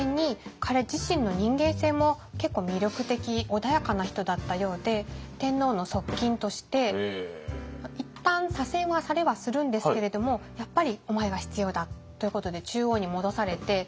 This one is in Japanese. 穏やかな人だったようで天皇の側近としていったん左遷はされはするんですけれどもやっぱりお前が必要だということで中央に戻されて。